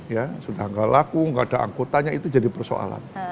ya sudah nggak laku nggak ada angkutannya itu jadi persoalan